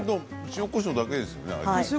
塩、こしょうだけですよね。